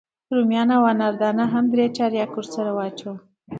رومیان او انار دانه هم درې چارکه ورسره واچوه.